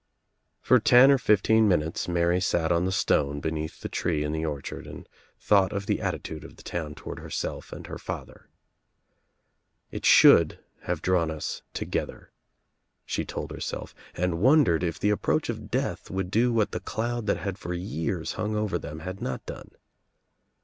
For ten or fifteen minutes Mary sat on the stone be neath the tree in the orchard and thought of the at titude of the town toward herself and her father. "It should have drawn us together," she told herself, and wondered if the approach of death would do what the cloud that had for years hung over them had not done.